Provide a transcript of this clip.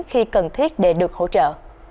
khi cần thiết để được hỗ trợ